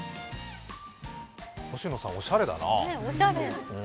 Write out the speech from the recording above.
星野さんおしゃれだな。